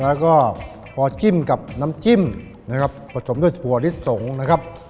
แล้วก็พอจิ้มกับน้ำจิ้มนะครับผสมด้วยถั่วลิสงนะครับ